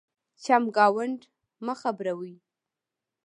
چمګاونډ مه خبرَوئ.